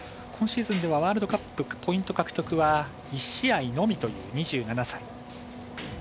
今シーズンではワールドカップポイント獲得は１試合のみという２７歳。